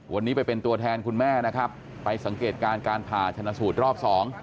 วันนี้ไปเป็นตัวแทนคุณแม่นะครับไปสังเกตการณ์การผ่าชนะสูตรรอบสอง